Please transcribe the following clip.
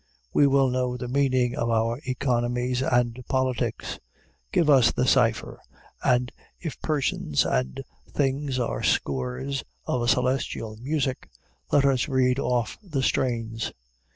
We will know the meaning of our economies and politics. Give us the cipher, and, if persons and things are scores of a celestial music, let us read off the strains.